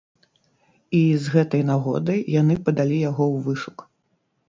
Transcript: І з гэтай нагодай яны падалі яго ў вышук.